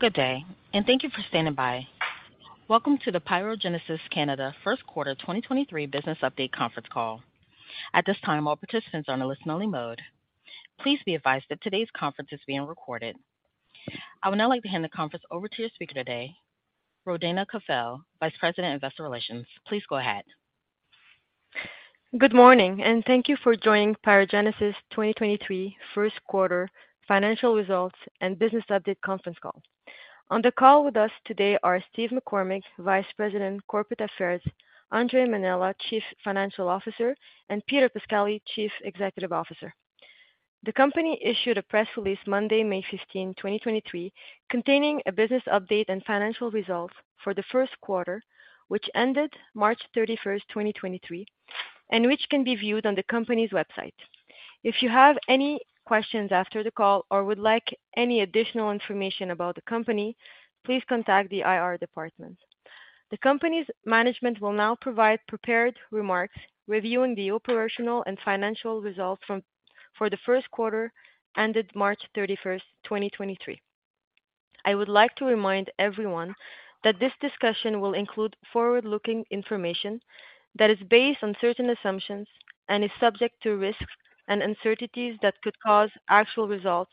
Good day, thank you for standing by. Welcome to the PyroGenesis Canada First Quarter 2023 Business Update Conference Call. At this time, all participants are on a listen only mode. Please be advised that today's conference is being recorded. I would now like to hand the conference over to your speaker today, Rodayna Kafal, Vice President, Investor Relations. Please go ahead. Good morning, thank you for joining PyroGenesis 2023 1st quarter financial results and business update conference call. On the call with us today are Steve McCormick, Vice President, Corporate Affairs, Andre Mainella, Chief Financial Officer, and P. Peter Pascali, Chief Executive Officer. The company issued a press release Monday, May 15, 2023, containing a business update and financial results for the 1st quarter, which ended March 31, 2023, and which can be viewed on the company's website. You have any questions after the call or would like any additional information about the company, please contact the IR department. The company's management will now provide prepared remarks reviewing the operational and financial results for the 1st quarter ended March 31, 2023. I would like to remind everyone that this discussion will include forward-looking information that is based on certain assumptions and is subject to risks and uncertainties that could cause actual results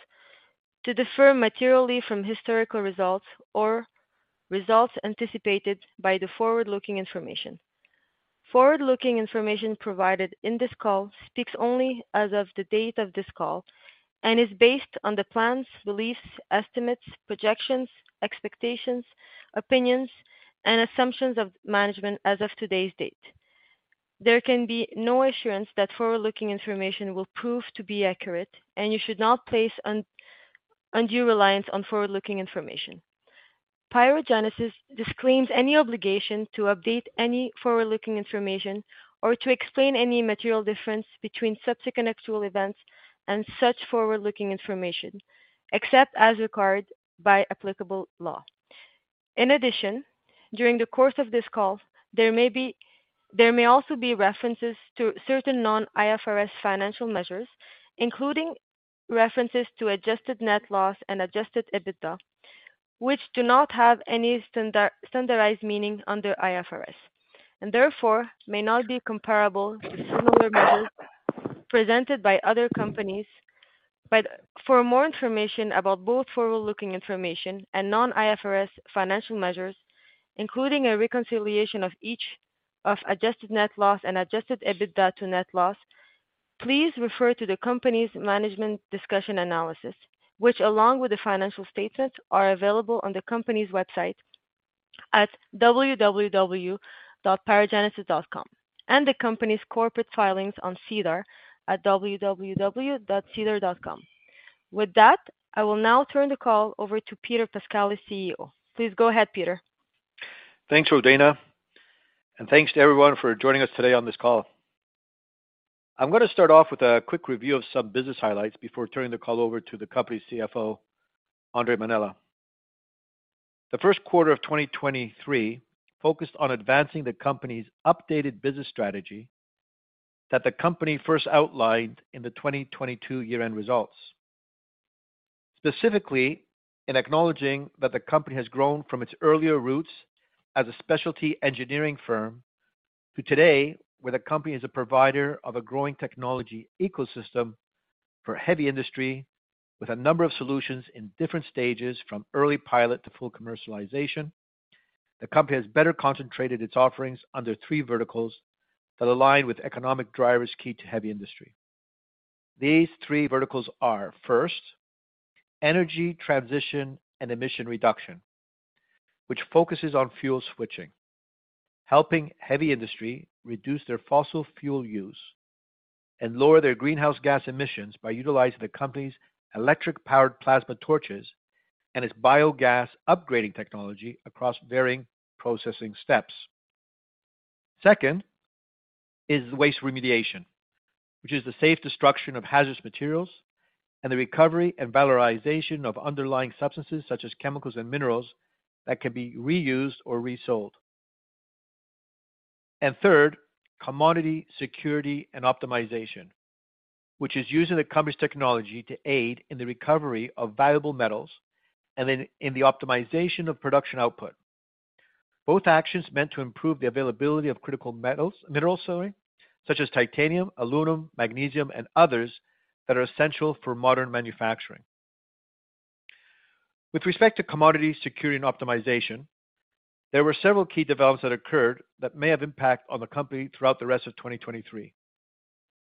to differ materially from historical results or results anticipated by the forward-looking information. Forward-looking information provided in this call speaks only as of the date of this call and is based on the plans, beliefs, estimates, projections, expectations, opinions, and assumptions of management as of today's date. There can be no assurance that forward-looking information will prove to be accurate, and you should not place undue reliance on forward-looking information. PyroGenesis disclaims any obligation to update any forward-looking information or to explain any material difference between subsequent actual events and such forward-looking information, except as required by applicable law. In addition, during the course of this call, there may be, there may also be references to certain non-IFRS financial measures, including references to Adjusted Net Loss and Adjusted EBITDA, which do not have any standardized meaning under IFRS and therefore may not be comparable to similar measures presented by other companies. For more information about both forward-looking information and non-IFRS financial measures, including a reconciliation of each of Adjusted Net Loss and Adjusted EBITDA to net loss, please refer to the company's management discussion analysis, which, along with the financial statements, are available on the company's website at www.pyrogenesis.com and the company's corporate filings on SEDAR at www.sedar.com. With that, I will now turn the call over to Peter Pascali, CEO. Please go ahead, Peter. Thanks, Rodayna, and thanks to everyone for joining us today on this call. I'm gonna start off with a quick review of some business highlights before turning the call over to the company's CFO, Andre Mainella. The first quarter of 2023 focused on advancing the company's updated business strategy that the company first outlined in the 2022 year-end results. Specifically, in acknowledging that the company has grown from its earlier roots as a specialty engineering firm to today, where the company is a provider of a growing technology ecosystem for heavy industry with a number of solutions in different stages from early pilot to full commercialization. The company has better concentrated its offerings under three verticals that align with economic drivers key to heavy industry. These three verticals are, first, energy transition and emission reduction, which focuses on fuel switching, helping heavy industry reduce their fossil fuel use and lower their greenhouse gas emissions by utilizing the company's electric-powered plasma torches and its biogas upgrading technology across varying processing steps. Second, is waste remediation, which is the safe destruction of hazardous materials and the recovery and valorization of underlying substances such as chemicals and minerals that can be reused or resold. Third, commodity security and optimization, which is using the company's technology to aid in the recovery of valuable metals and then in the optimization of production output, both actions meant to improve the availability of critical minerals, sorry, such as titanium, aluminum, magnesium, and others that are essential for modern manufacturing. With respect to commodity security and optimization, there were several key developments that occurred that may have impact on the company throughout the rest of 2023,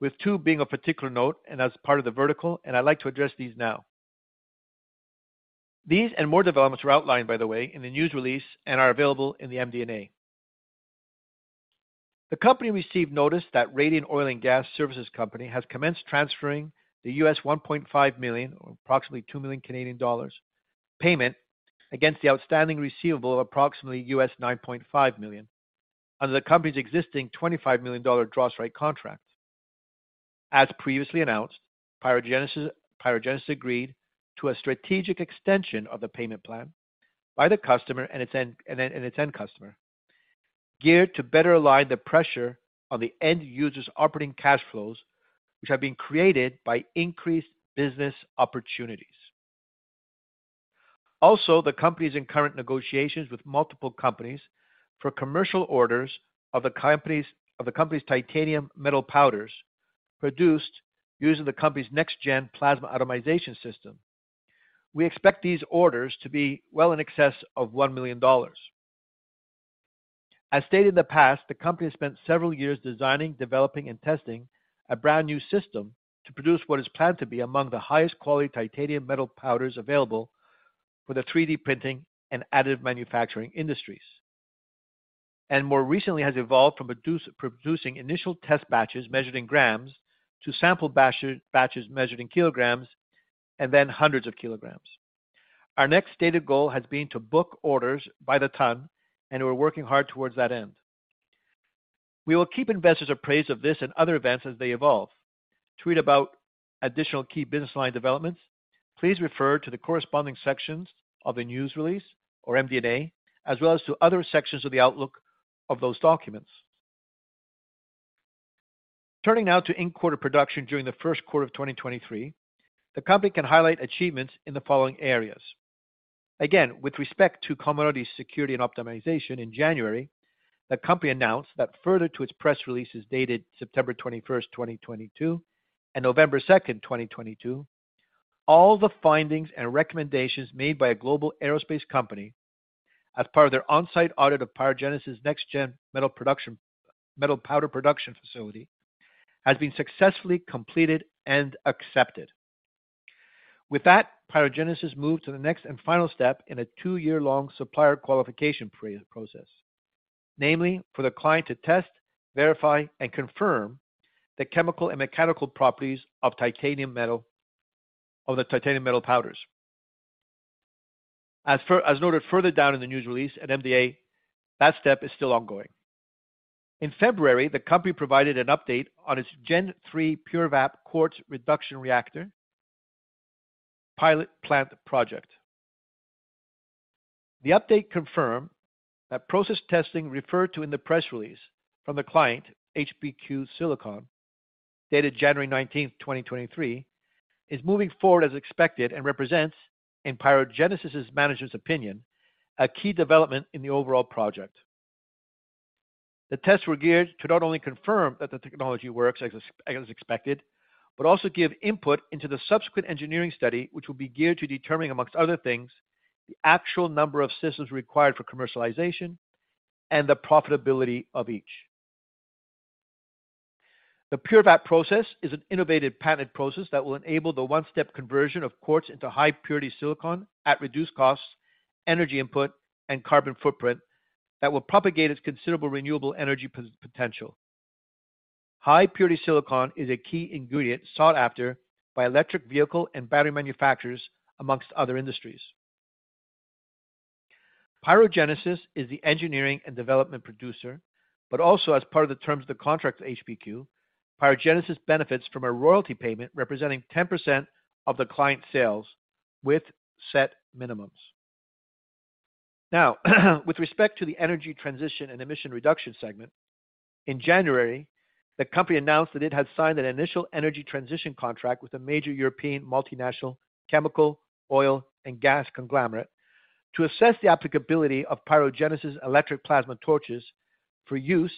with two being of particular note and as part of the vertical. I'd like to address these now. These and more developments were outlined, by the way, in the news release and are available in the MD&A. The company received notice that Radian Oil and Gas Services Company has commenced transferring the $1.5 million, or approximately 2 million Canadian dollars payment against the outstanding receivable of approximately $9.5 million under the company's existing $25 million DrossRite contract. As previously announced, PyroGenesis agreed to a strategic extension of the payment plan by the customer and its end customer. Geared to better align the pressure on the end user's operating cash flows, which have been created by increased business opportunities. Also, the company is in current negotiations with multiple companies for commercial orders of the company's titanium metal powders produced using the company's NexGen plasma atomization system. We expect these orders to be well in excess of $1 million. As stated in the past, the company spent several years designing, developing, and testing a brand-new system to produce what is planned to be among the highest quality titanium metal powders available for the 3D printing and additive manufacturing industries. More recently has evolved from producing initial test batches measured in grams to sample batches measured in kilograms and then hundreds of kilograms. Our next stated goal has been to book orders by the ton. We're working hard towards that end. We will keep investors appraised of this and other events as they evolve. To read about additional key business line developments, please refer to the corresponding sections of the news release or MD&A as well as to other sections of the outlook of those documents. Turning now to in-quarter production during the first quarter of 2023, the company can highlight achievements in the following areas. Again, with respect to commodity security and optimization in January, the company announced that further to its press releases dated September 21st, 2022, and November 2nd, 2022, all the findings and recommendations made by a global aerospace company as part of their on-site audit of PyroGenesis' NexGen metal production, metal powder production facility has been successfully completed and accepted. With that, PyroGenesis moved to the next and final step in a 2-year-long supplier qualification process, namely for the client to test, verify, and confirm the chemical and mechanical properties of the titanium metal powders. As noted further down in the news release at MD&A, that step is still ongoing. In February, the company provided an update on its Gen3 PUREVAP Quartz Reduction Reactor pilot-plant project. The update confirmed that process testing referred to in the press release from the client, HPQ Silicon, dated January 19th, 2023, is moving forward as expected and represents, in PyroGenesis' management's opinion, a key development in the overall project. The tests were geared to not only confirm that the technology works as expected, but also give input into the subsequent engineering study, which will be geared to determining, amongst other things, the actual number of systems required for commercialization and the profitability of each. The PUREVAP process is an innovative patented process that will enable the one-step conversion of quartz into high purity silicon at reduced costs, energy input, and carbon footprint that will propagate its considerable renewable energy potential. High purity silicon is a key ingredient sought after by electric vehicle and battery manufacturers, amongst other industries. PyroGenesis is the engineering and development producer, but also as part of the terms of the contract with HPQ, PyroGenesis benefits from a royalty payment representing 10% of the client sales with set minimums. With respect to the energy transition and emission reduction segment, in January, the company announced that it had signed an initial energy transition contract with a major European multinational chemical, oil, and gas conglomerate to assess the applicability of PyroGenesis' electric plasma torches for use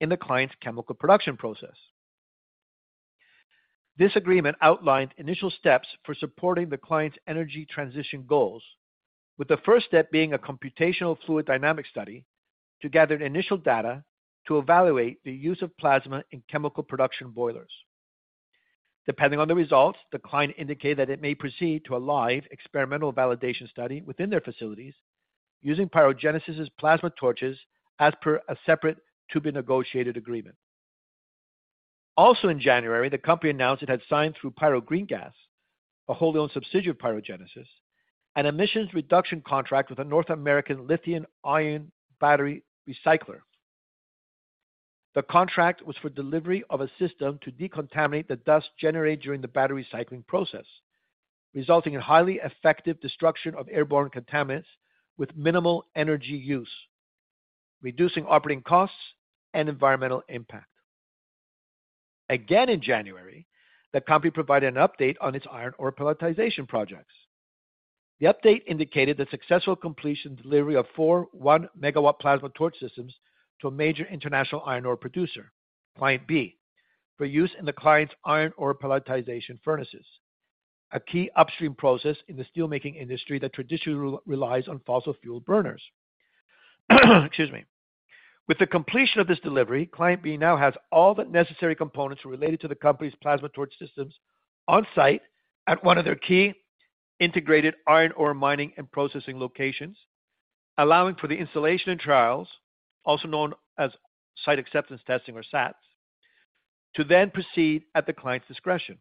in the client's chemical production process. This agreement outlined initial steps for supporting the client's energy transition goals, with the first step being a computational fluid dynamics study to gather initial data to evaluate the use of plasma in chemical production boilers. Depending on the results, the client indicated that it may proceed to a live experimental validation study within their facilities using PyroGenesis' plasma torches as per a separate to-be-negotiated agreement. Also in January, the company announced it had signed through Pyro Green-Gas, a wholly owned subsidiary of PyroGenesis, an emissions reduction contract with a North American lithium-ion battery recycler. The contract was for delivery of a system to decontaminate the dust generated during the battery cycling process, resulting in highly effective destruction of airborne contaminants with minimal energy use, reducing operating costs and environmental impact. Again, in January, the company provided an update on its iron ore pelletization projects. The update indicated the successful completion and delivery of 4 1-megawatt plasma torch systems to a major international iron ore producer, Client B, for use in the client's iron ore pelletization furnaces, a key upstream process in the steelmaking industry that traditionally relies on fossil fuel burners. Excuse me. With the completion of this delivery, Client B now has all the necessary components related to the company's plasma torch systems on-site at one of their key integrated iron ore mining and processing locations, allowing for the installation and trials, also known as Site Acceptance Testing or SATs, to then proceed at the client's discretion.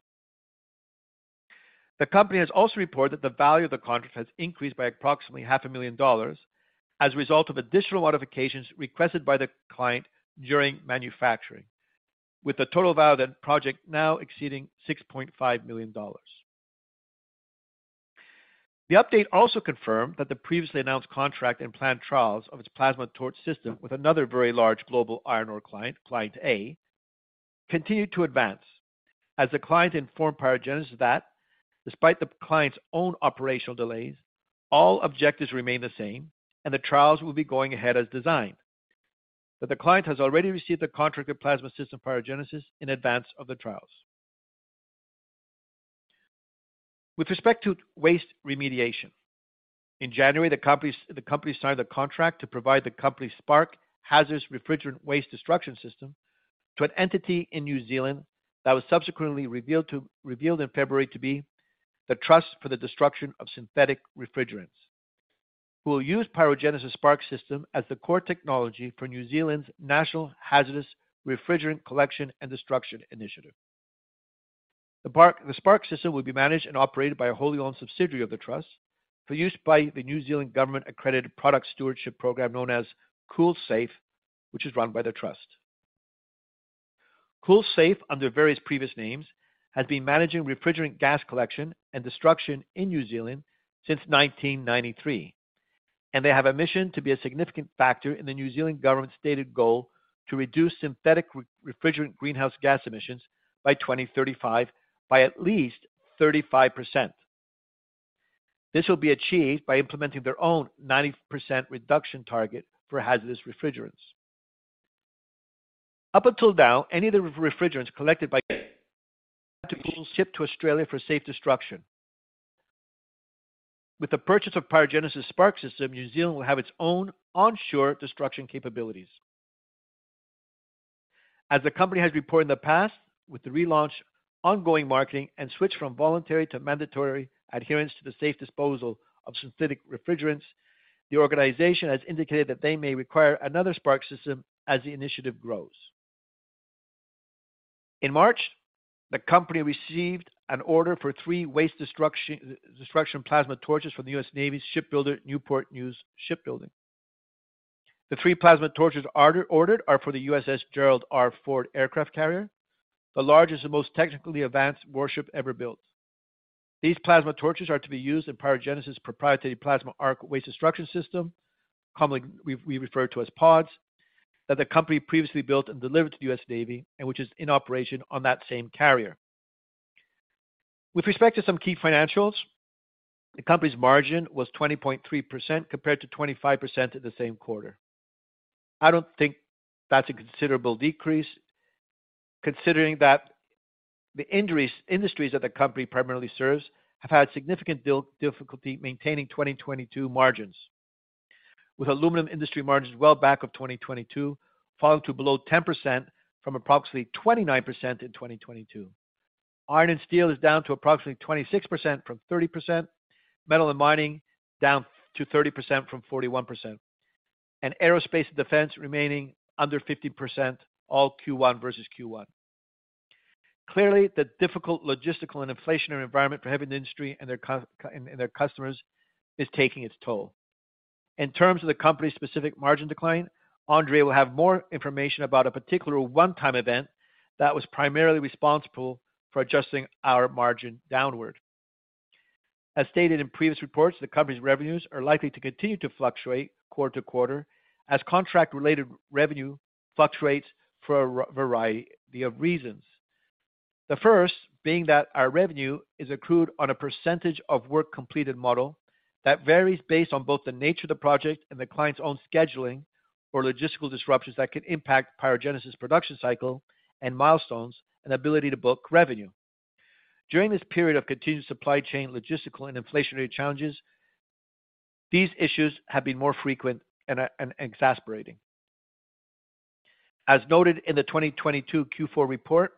The company has also reported that the value of the contract has increased by approximately half a million dollars as a result of additional modifications requested by the client during manufacturing, with the total value of that project now exceeding $6.5 million. The update also confirmed that the previously announced contract and planned trials of its plasma torch system with another very large global iron ore client, Client A, continued to advance as the client informed PyroGenesis that despite the client's own operational delays, all objectives remain the same and the trials will be going ahead as designed. The client has already received a contract of plasma system PyroGenesis in advance of the trials. With respect to waste remediation, in January, the company signed a contract to provide the company's SPARC Hazardous Refrigerant Waste Destruction System to an entity in New Zealand that was subsequently revealed in February to be The Trust for the Destruction of Synthetic Refrigerants, who will use PyroGenesis SPARC system as the core technology for New Zealand's National Hazardous Refrigerant Collection and Destruction Initiative. The SPARC system will be managed and operated by a wholly owned subsidiary of the trust for use by the New Zealand Government Accredited Product Stewardship Program, known as Cool-Safe, which is run by the trust. Cool-Safe, under various previous names, has been managing refrigerant gas collection and destruction in New Zealand since 1993, and they have a mission to be a significant factor in the New Zealand Government's stated goal to reduce synthetic refrigerant greenhouse gas emissions by 2035 by at least 35%. This will be achieved by implementing their own 90% reduction target for hazardous refrigerants. Up until now, any of the refrigerants collected by shipped to Australia for safe destruction. With the purchase of PyroGenesis SPARC system, New Zealand will have its own onshore destruction capabilities. As the company has reported in the past, with the relaunch, ongoing marketing and switch from voluntary to mandatory adherence to the safe disposal of synthetic refrigerants, the organization has indicated that they may require another SPARC system as the initiative grows. In March, the company received an order for three waste destruction plasma torches from the U.S. Navy's shipbuilder, Newport News Shipbuilding. The three plasma torches ordered are for the USS Gerald R. Ford aircraft carrier, the largest and most technically advanced warship ever built. These plasma torches are to be used in PyroGenesis proprietary Plasma Arc Waste Destruction System, commonly we refer to as PAWDS, that the company previously built and delivered to the U.S. Navy and which is in operation on that same carrier. With respect to some key financials, the company's margin was 20.3% compared to 25% at the same quarter. I don't think that's a considerable decrease considering that the industries that the company primarily serves have had significant difficulty maintaining 2022 margins, with aluminum industry margins well back of 2022, falling to below 10% from approximately 29% in 2022. Iron and steel is down to approximately 26% from 30%. Metal and mining down to 30% from 41%. Aerospace and defense remaining under 50% all Q1 versus Q1. Clearly, the difficult logistical and inflationary environment for heavy industry and their customers is taking its toll. In terms of the company's specific margin decline, Andre will have more information about a particular one-time event that was primarily responsible for adjusting our margin downward. As stated in previous reports, the company's revenues are likely to continue to fluctuate quarter to quarter as contract-related revenue fluctuates for a variety of reasons. The first being that our revenue is accrued on a percentage of work completed model that varies based on both the nature of the project and the client's own scheduling or logistical disruptions that can impact PyroGenesis production cycle and milestones and ability to book revenue. During this period of continued supply chain, logistical and inflationary challenges, these issues have been more frequent and exasperating. As noted in the 2022 Q4 report,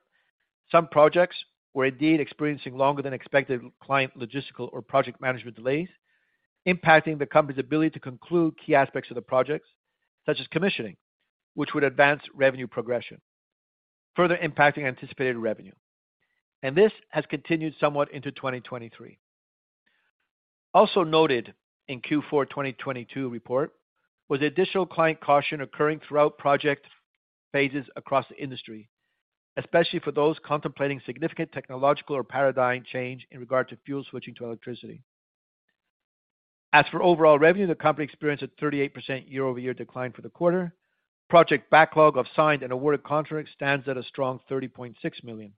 some projects were indeed experiencing longer than expected client logistical or project management delays, impacting the company's ability to conclude key aspects of the projects such as commissioning, which would advance revenue progression, further impacting anticipated revenue. This has continued somewhat into 2023. Also noted in Q4 2022 report was additional client caution occurring throughout project phases across the industry, especially for those contemplating significant technological or paradigm change in regard to fuel switching to electricity. As for overall revenue, the company experienced a 38% year-over-year decline for the quarter. Project backlog of signed and awarded contracts stands at a strong 30.6 million.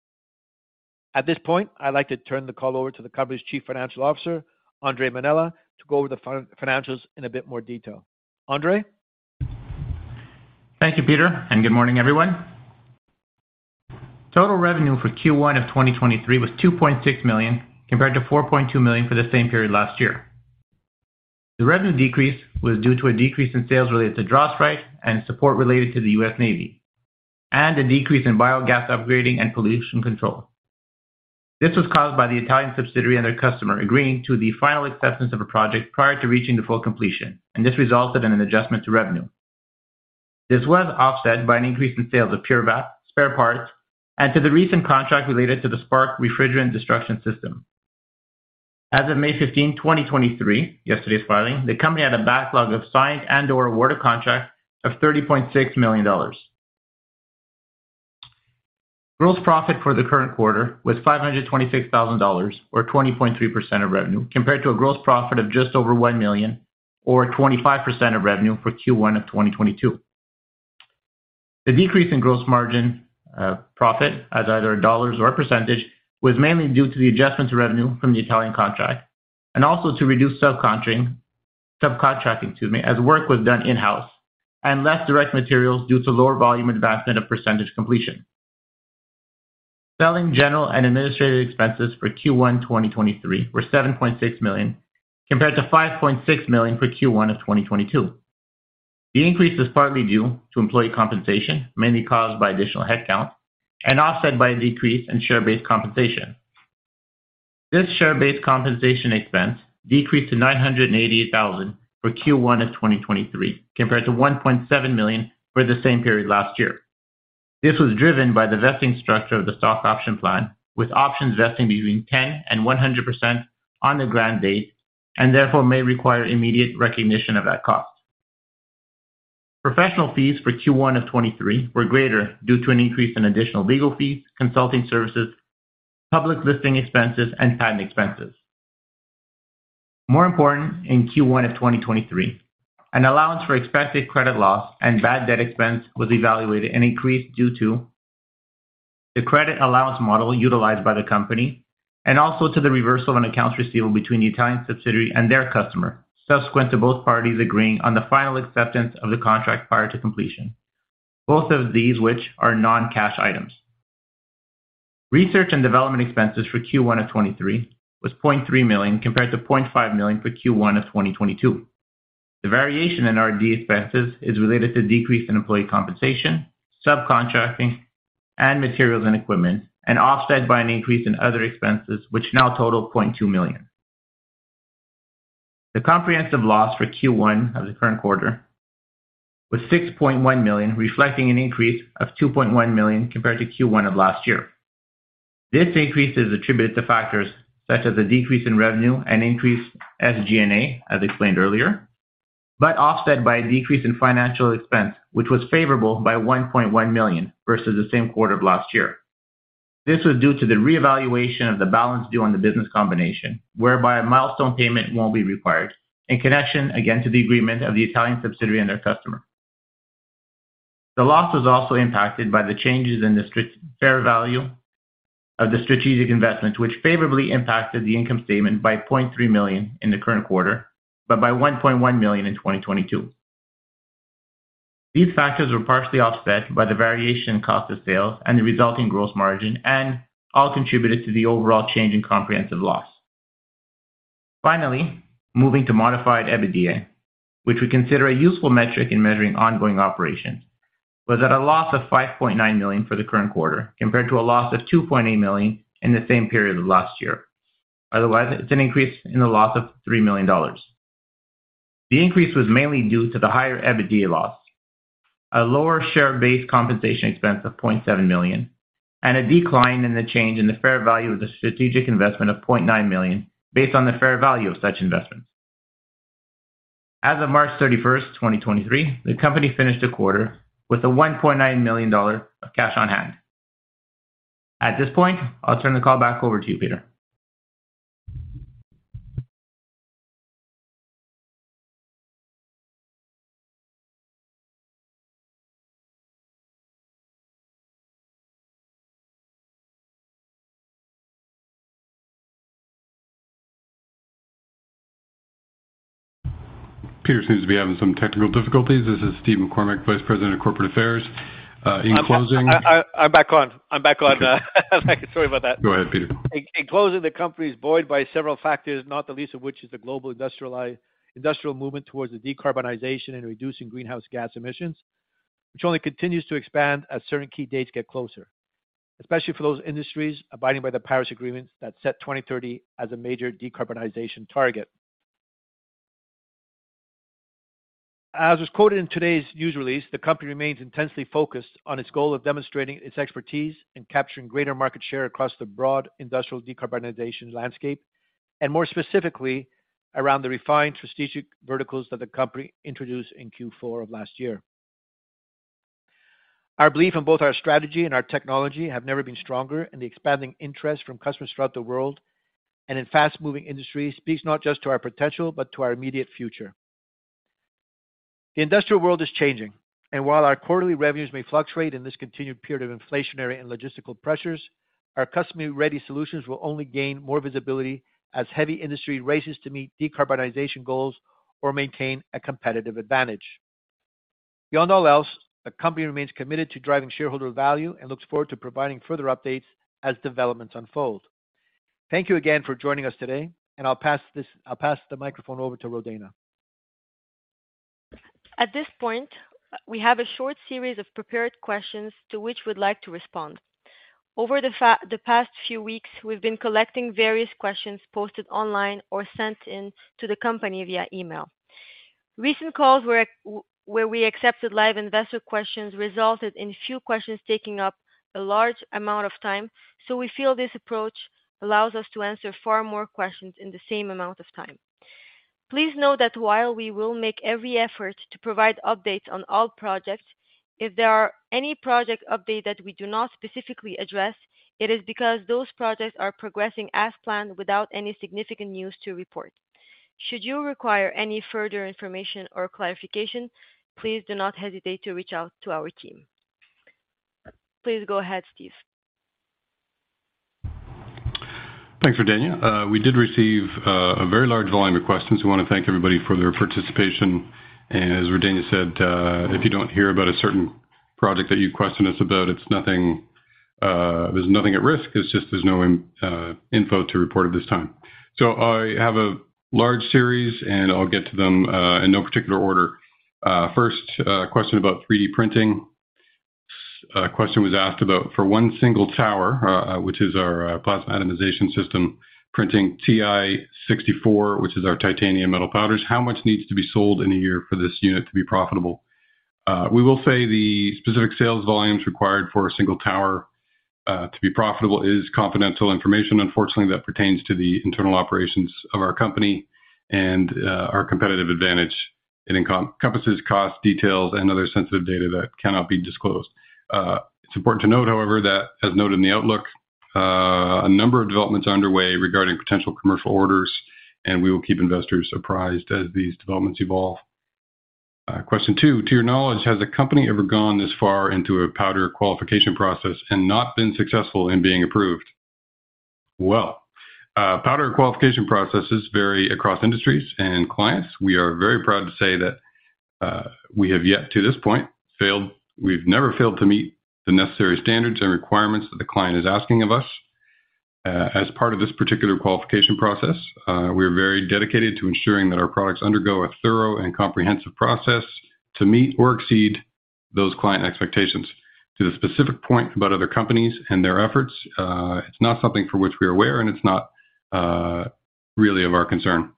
At this point, I'd like to turn the call over to the company's Chief Financial Officer, Andre Mainella, to go over the financials in a bit more detail. Andre. Thank you, Peter, and good morning, everyone. Total revenue for Q1 of 2023 was 2.6 million, compared to 4.2 million for the same period last year. The revenue decrease was due to a decrease in sales related to DROSRITE and support related to the US Navy, and a decrease in biogas upgrading and pollution control. This was caused by the Italian subsidiary and their customer agreeing to the final acceptance of a project prior to reaching the full completion, and this resulted in an adjustment to revenue. This was offset by an increase in sales of PUREVAP spare parts and to the recent contract related to the SPARC Refrigerant Destruction System. As of May 15, 2023, yesterday's filing, the company had a backlog of signed and/or awarded contracts of 30.6 million dollars. Gross profit for the current quarter was 526,000 dollars or 20.3% of revenue, compared to a gross profit of just over 1 million or 25% of revenue for Q1 of 2022. The decrease in gross margin profit as either dollars or percentage was mainly due to the adjustment to revenue from the Italian contract and also to reduce subcontracting, excuse me, as work was done in-house and less direct materials due to lower volume investment of percentage completion. Selling general and administrative expenses for Q1 2023 were 7.6 million compared to 5.6 million for Q1 of 2022. The increase is partly due to employee compensation, mainly caused by additional headcount and offset by a decrease in share-based compensation. This share-based compensation expense decreased to 988,000 for Q1 of 2023, compared to 1.7 million for the same period last year. This was driven by the vesting structure of the stock option plan, with options vesting between 10% and 100% on the grant date, and therefore may require immediate recognition of that cost. Professional fees for Q1 of 2023 were greater due to an increase in additional legal fees, consulting services, public listing expenses and patent expenses. More important in Q1 of 2023, an allowance for expected credit loss and bad debt expense was evaluated and increased due to the credit allowance model utilized by the company and also to the reversal of an accounts receivable between the Italian subsidiary and their customer, subsequent to both parties agreeing on the final acceptance of the contract prior to completion. Both of these which are non-cash items. Research and development expenses for Q1 of 2023 was 0.3 million, compared to 0.5 million for Q1 of 2022. The variation in R&D expenses is related to decrease in employee compensation, subcontracting and materials and equipment, and offset by an increase in other expenses, which now total 0.2 million. The comprehensive loss for Q1 of the current quarter was 6.1 million, reflecting an increase of 2.1 million compared to Q1 of last year. This increase is attributed to factors such as a decrease in revenue and increase SG&A, as explained earlier. Offset by a decrease in financial expense, which was favorable by 1.1 million versus the same quarter of last year. This was due to the reevaluation of the balance due on the business combination, whereby a milestone payment won't be required in connection again to the agreement of the Italian subsidiary and their customer. The loss was also impacted by the changes in the fair value of the strategic investment, which favorably impacted the income statement by 0.3 million in the current quarter, by 1.1 million in 2022. These factors were partially offset by the variation in cost of sales and the resulting gross margin, and all contributed to the overall change in comprehensive loss. Moving to Modified EBITDA, which we consider a useful metric in measuring ongoing operations, was at a loss of 5.9 million for the current quarter, compared to a loss of 2.8 million in the same period of last year. It's an increase in the loss of 3 million dollars. The increase was mainly due to the higher EBITDA loss, a lower share-based compensation expense of 0.7 million, and a decline in the change in the fair value of the strategic investment of 0.9 million based on the fair value of such investments. As of March 31, 2023, the company finished a quarter with 1.9 million dollar of cash on hand. At this point, I'll turn the call back over to you, Peter. Peter seems to be having some technical difficulties. This is Steve McCormick, Vice President of Corporate Affairs. In closing. I'm back on. I'm back on. Sorry about that. Go ahead, Peter. In closing, the company is buoyed by several factors, not the least of which is the global industrial movement towards the decarbonization and reducing greenhouse gas emissions, which only continues to expand as certain key dates get closer, especially for those industries abiding by the Paris Agreement that set 2030 as a major decarbonization target. As was quoted in today's news release, the company remains intensely focused on its goal of demonstrating its expertise in capturing greater market share across the broad industrial decarbonization landscape and more specifically around the refined strategic verticals that the company introduced in Q4 of last year. Our belief in both our strategy and our technology have never been stronger. The expanding interest from customers throughout the world and in fast-moving industries speaks not just to our potential, but to our immediate future. While our quarterly revenues may fluctuate in this continued period of inflationary and logistical pressures, our custom e-ready solutions will only gain more visibility as heavy industry races to meet decarbonization goals or maintain a competitive advantage. Beyond all else, the company remains committed to driving shareholder value and looks forward to providing further updates as developments unfold. Thank you again for joining us today, I'll pass the microphone over to Rodayna. At this point, we have a short series of prepared questions to which we'd like to respond. Over the past few weeks, we've been collecting various questions posted online or sent in to the company via email. Recent calls where we accepted live investor questions resulted in few questions taking up a large amount of time, so we feel this approach allows us to answer far more questions in the same amount of time. Please know that while we will make every effort to provide updates on all projects, if there are any project updates that we do not specifically address, it is because those projects are progressing as planned without any significant news to report. Should you require any further information or clarification, please do not hesitate to reach out to our team. Please go ahead, Steve. Thanks, Rodayna. We did receive a very large volume of questions. We wanna thank everybody for their participation. As Rodayna said, if you don't hear about a certain project that you questioned us about, it's nothing, there's nothing at risk, it's just there's no info to report at this time. I have a large series, and I'll get to them in no particular order. First, a question about 3D printing. Question was asked about for one single tower, which is our Plasma Atomization system printing Ti-64, which is our titanium metal powders, how much needs to be sold in a year for this unit to be profitable? We will say the specific sales volumes required for a single tower to be profitable is confidential information. Unfortunately, that pertains to the internal operations of our company and our competitive advantage. It encompasses cost details and other sensitive data that cannot be disclosed. It's important to note, however, that as noted in the outlook, a number of developments are underway regarding potential commercial orders, and we will keep investors apprised as these developments evolve. Question two: To your knowledge, has the company ever gone this far into a powder qualification process and not been successful in being approved? Well, powder qualification processes vary across industries and clients. We are very proud to say that we have yet to this point failed. We've never failed to meet the necessary standards and requirements that the client is asking of us. As part of this particular qualification process, we're very dedicated to ensuring that our products undergo a thorough and comprehensive process to meet or exceed those client expectations. To the specific point about other companies and their efforts, it's not something for which we are aware, and it's not really of our concern.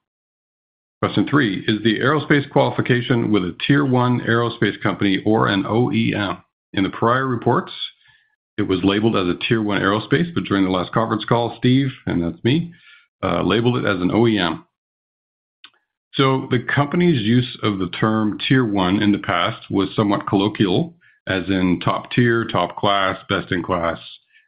Question three: Is the aerospace qualification with a tier one aerospace company or an OEM? In the prior reports, it was labeled as a tier one aerospace, but during the last conference call, Steve, and that's me, labeled it as an OEM. The company's use of the term tier one in the past was somewhat colloquial, as in top tier, top class, best in class.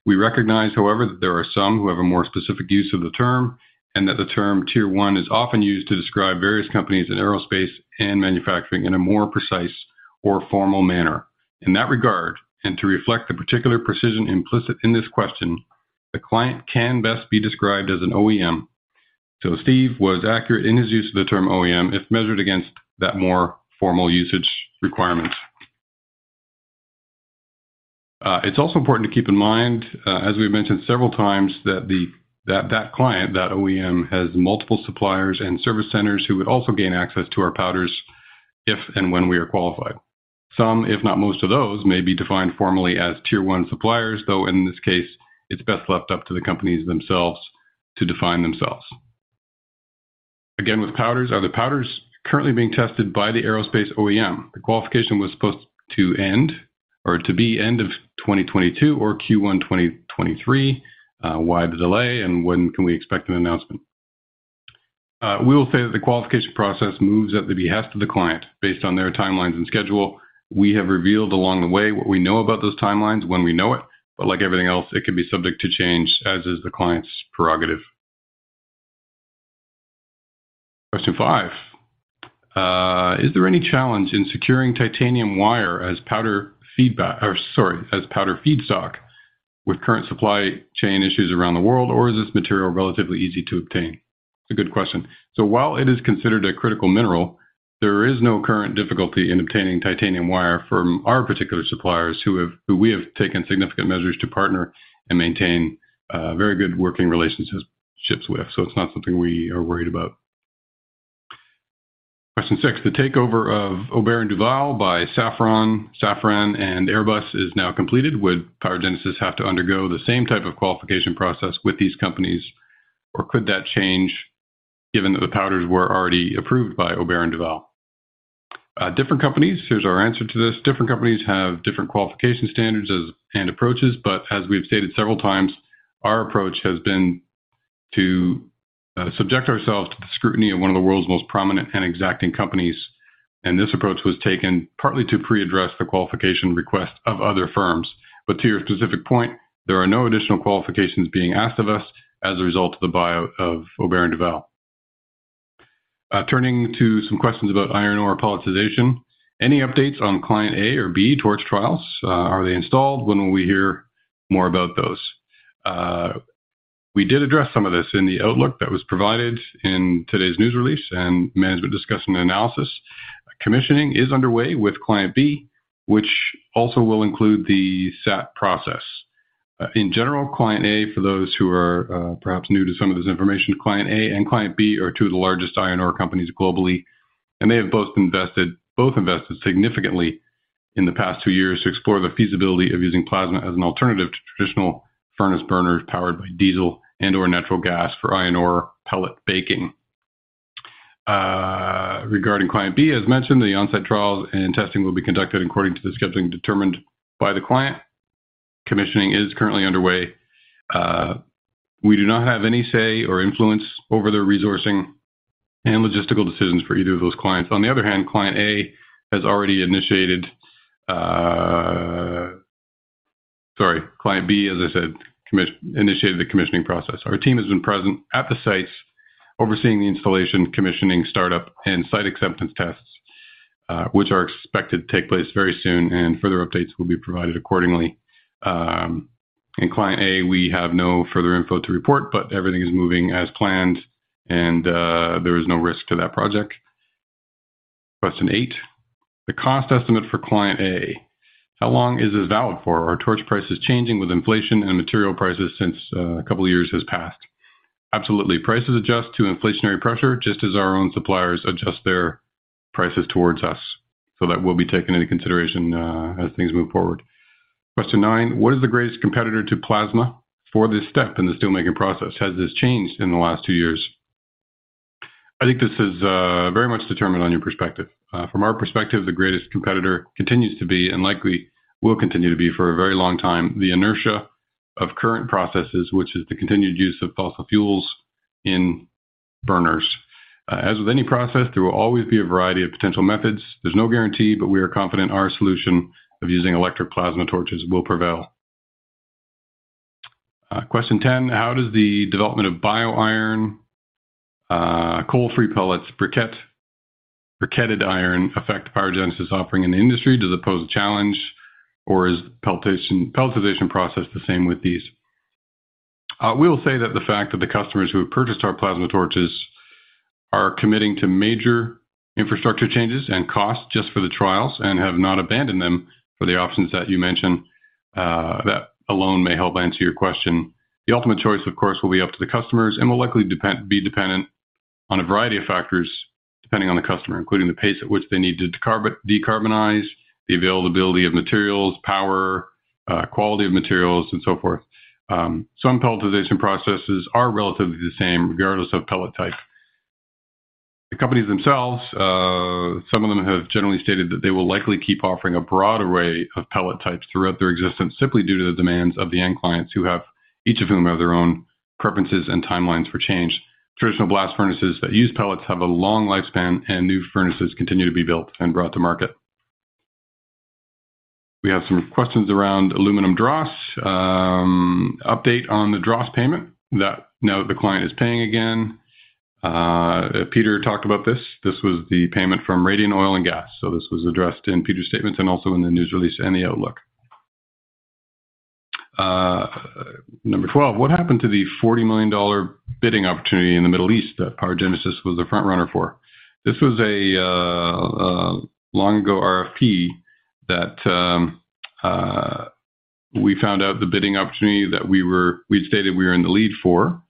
We recognize, however, that there are some who have a more specific use of the term, and that the term tier one is often used to describe various companies in aerospace and manufacturing in a more precise or formal manner. In that regard, and to reflect the particular precision implicit in this question, the client can best be described as an OEM. Steve was accurate in his use of the term OEM if measured against that more formal usage requirement. It's also important to keep in mind, as we've mentioned several times, that that client, that OEM, has multiple suppliers and service centers who would also gain access to our powders if and when we are qualified. Some, if not most of those, may be defined formally as tier one suppliers, though in this case, it's best left up to the companies themselves to define themselves. Again, with powders, are the powders currently being tested by the aerospace OEM? The qualification was supposed to end or to be end of 2022 or Q1 2023. Why the delay, and when can we expect an announcement? We will say that the qualification process moves at the behest of the client based on their timelines and schedule. We have revealed along the way what we know about those timelines when we know it, like everything else, it can be subject to change, as is the client's prerogative. Question five: Is there any challenge in securing titanium wire as powder feedstock with current supply chain issues around the world, or is this material relatively easy to obtain? It's a good question. While it is considered a critical mineral, there is no current difficulty in obtaining titanium wire from our particular suppliers who we have taken significant measures to partner and maintain a very good working relationships with. It's not something we are worried about. Question six: The takeover of Aubert & Duval by Safran and Airbus is now completed. Would PyroGenesis have to undergo the same type of qualification process with these companies, or could that change given that the powders were already approved by Aubert & Duval? Different companies, here's our answer to this. Different companies have different qualification standards and approaches, but as we've stated several times, our approach has been to subject ourselves to the scrutiny of one of the world's most prominent and exacting companies, and this approach was taken partly to pre-address the qualification request of other firms. To your specific point, there are no additional qualifications being asked of us as a result of the Aubert & Duval. Turning to some questions about iron ore pelletization. Any updates on client A or B torch trials? Are they installed? When will we hear more about those? We did address some of this in the outlook that was provided in today's news release and management discussion and analysis. Commissioning is underway with client B, which also will include the SAT process. In general, client A, for those who are perhaps new to some of this information, client A and client B are two of the largest iron ore companies globally, and they have both invested significantly in the past two years to explore the feasibility of using plasma as an alternative to traditional furnace burners powered by diesel and/or natural gas for iron ore pellet baking. Regarding client B, as mentioned, the on-site trials and testing will be conducted according to the scheduling determined by the client. Commissioning is currently underway. We do not have any say or influence over the resourcing and logistical decisions for either of those clients. On the other hand, client A has already initiated, Sorry, client B, as I said, initiated the commissioning process. Our team has been present at the sites overseeing the installation, commissioning, startup, and Site Acceptance Tests, which are expected to take place very soon. Further updates will be provided accordingly. In client A, we have no further info to report. Everything is moving as planned. There is no risk to that project. Question eight: The cost estimate for client A, how long is this valid for? Are torch prices changing with inflation and material prices since a couple of years has passed? Absolutely. Prices adjust to inflationary pressure just as our own suppliers adjust their prices towards us. That will be taken into consideration as things move forward. Question nine. What is the greatest competitor to plasma for this step in the steelmaking process? Has this changed in the last two years? I think this is very much determined on your perspective. From our perspective, the greatest competitor continues to be, and likely will continue to be for a very long time, the inertia of current processes, which is the continued use of fossil fuels in burners. As with any process, there will always be a variety of potential methods. There's no guarantee, but we are confident our solution of using electric plasma torches will prevail. Question 10. How does the development of bio-iron, coal-free pellets, briquetted iron affect PyroGenesis offering in the industry? Does it pose a challenge or is pelletization process the same with these? We'll say that the fact that the customers who have purchased our plasma torches are committing to major infrastructure changes and costs just for the trials and have not abandoned them for the options that you mentioned, that alone may help answer your question. The ultimate choice, of course, will be up to the customers and will likely be dependent on a variety of factors, depending on the customer, including the pace at which they need to decarbonize, the availability of materials, power, quality of materials, and so forth. Some pelletization processes are relatively the same regardless of pellet type. The companies themselves, some of them have generally stated that they will likely keep offering a broad array of pellet types throughout their existence simply due to the demands of the end clients, each of whom have their own preferences and timelines for change. Traditional blast furnaces that use pellets have a long lifespan, and new furnaces continue to be built and brought to market. We have some questions around aluminum dross. Update on the dross payment. Now the client is paying again. Peter talked about this. This was the payment from Radian Oil and Gas. This was addressed in Peter's statements and also in the news release and the outlook. Number 12. What happened to the 40 million dollar bidding opportunity in the Middle East that PyroGenesis was the front runner for? This was a long ago RFP that we found out the bidding opportunity that we'd stated we were in the lead for,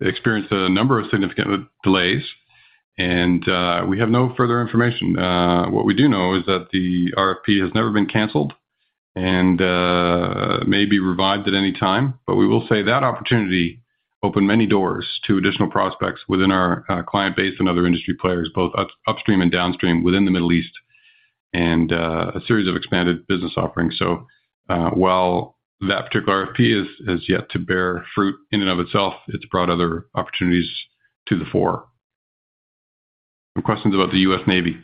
experienced a number of significant delays, and we have no further information. What we do know is that the RFP has never been canceled and may be revived at any time. We will say that opportunity opened many doors to additional prospects within our client base and other industry players, both up-upstream and downstream within the Middle East and a series of expanded business offerings. While that particular RFP is yet to bear fruit in and of itself, it's brought other opportunities to the fore. Some questions about the US Navy.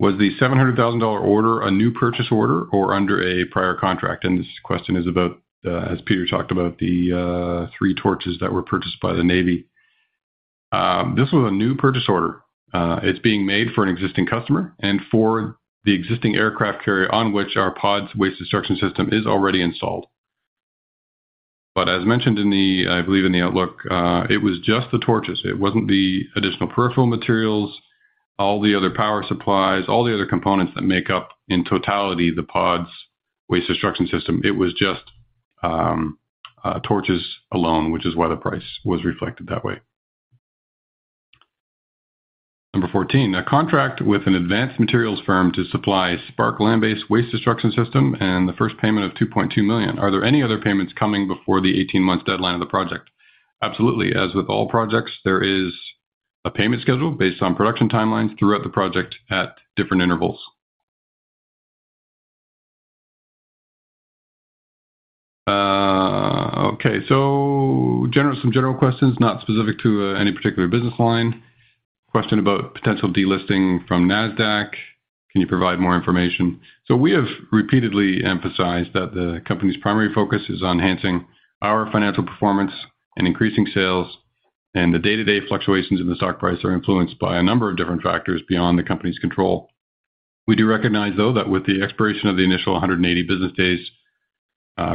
Was the $700,000 order a new purchase order or under a prior contract? This question is about, as Peter talked about, the three torches that were purchased by the Navy. This was a new purchase order. It's being made for an existing customer and for the existing aircraft carrier on which our PAWDS waste destruction system is already installed. As mentioned in the, I believe in the outlook, it was just the torches. It wasn't the additional peripheral materials, all the other power supplies, all the other components that make up in totality the PAWDS waste destruction system. It was just torches alone, which is why the price was reflected that way. Number 14. A contract with an advanced materials firm to supply SPARC land-based waste destruction system and the first payment of 2.2 million. Are there any other payments coming before the 18 months deadline of the project? Absolutely. As with all projects, there is a payment schedule based on production timelines throughout the project at different intervals. Okay. Some general questions, not specific to any particular business line. Question about potential delisting from NASDAQ. Can you provide more information? We have repeatedly emphasized that the company's primary focus is on enhancing our financial performance and increasing sales, the day-to-day fluctuations in the stock price are influenced by a number of different factors beyond the company's control. We do recognize, though, that with the expiration of the initial 180 business days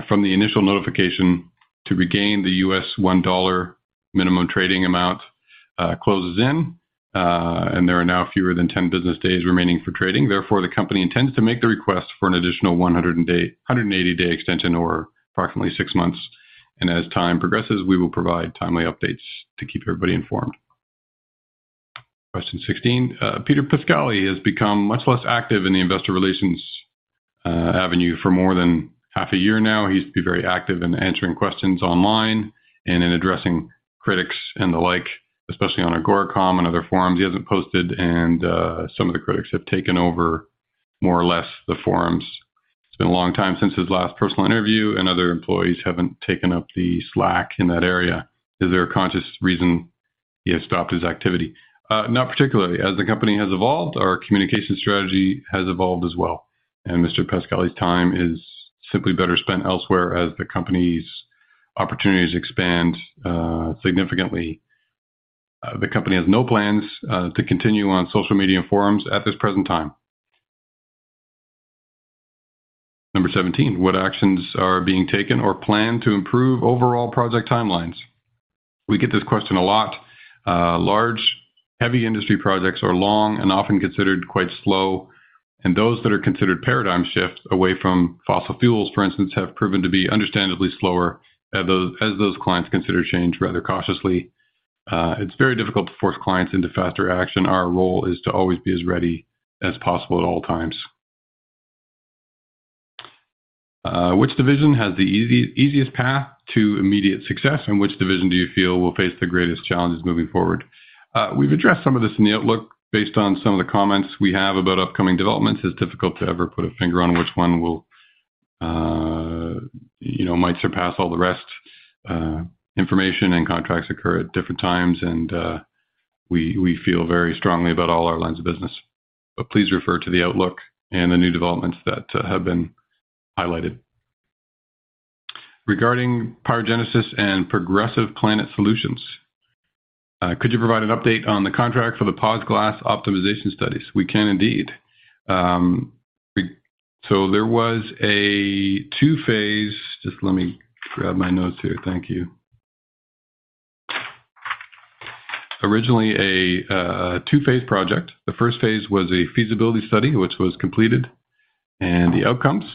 from the initial notification to regain the $1 minimum trading amount closes in, there are now fewer than 10 business days remaining for trading. Therefore, the company intends to make the request for an additional 180-day extension or approximately 6 months. As time progresses, we will provide timely updates to keep everybody informed. Question 16. Peter Pascali has become much less active in the investor relations avenue for more than half a year now. He used to be very active in answering questions online and in addressing critics and the like, especially on Agoracom and other forums. He hasn't posted, and some of the critics have taken over more or less the forums. It's been a long time since his last personal interview, and other employees haven't taken up the slack in that area. Is there a conscious reason he has stopped his activity? Not particularly. As the company has evolved, our communication strategy has evolved as well, and Mr. Peter Pascali's time is simply better spent elsewhere as the company's opportunities expand significantly. The company has no plans to continue on social media forums at this present time. Number 17. What actions are being taken or planned to improve overall project timelines? We get this question a lot. Large, heavy industry projects are long and often considered quite slow, and those that are considered paradigm shifts away from fossil fuels, for instance, have proven to be understandably slower as those clients consider change rather cautiously. It's very difficult to force clients into faster action. Our role is to always be as ready as possible at all times. Which division has the easiest path to immediate success? And which division do you feel will face the greatest challenges moving forward? We've addressed some of this in the outlook based on some of the comments we have about upcoming developments. It's difficult to ever put a finger on which one will, you know, might surpass all the rest. Information and contracts occur at different times, and we feel very strongly about all our lines of business. Please refer to the outlook and the new developments that have been highlighted. Regarding PyroGenesis and Progressive Planet Solutions. Could you provide an update on the contract for the POZZ glass optimization studies? We can indeed. There was a two-phase... Just let me grab my notes here. Thank you. Originally a two-phase project. The first phase was a feasibility study, which was completed, and the outcomes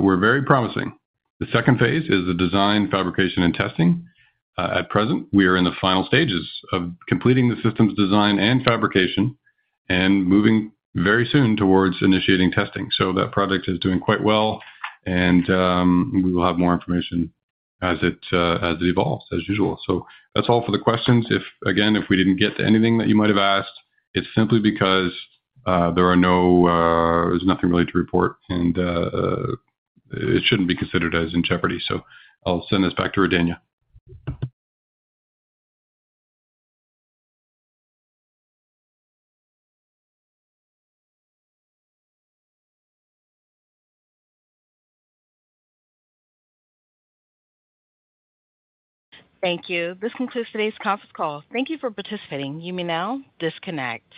were very promising. The second phase is the design, fabrication, and testing. At present, we are in the final stages of completing the system's design and fabrication and moving very soon towards initiating testing. That project is doing quite well, and we will have more information as it evolves as usual. That's all for the questions. If, again, if we didn't get to anything that you might have asked, it's simply because there are no there's nothing really to report and it shouldn't be considered as in jeopardy. I'll send this back to Rodayna. Thank you. This concludes today's conference call. Thank you for participating. You may now disconnect.